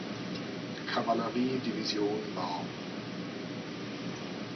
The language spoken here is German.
Kavalleriedivision war.